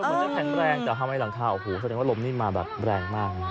เหมือนจะแข็งแรงแต่ทำไมหลังคาโอ้โหแสดงว่าลมนี่มาแบบแรงมากนะ